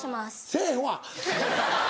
せぇへんわ。